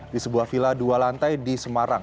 di sebuah villa dua lantai di semarang